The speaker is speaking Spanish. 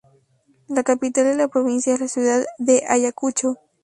La capital de la provincia es la ciudad de Ayacucho